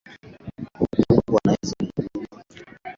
Mbwa anaweza kukuuma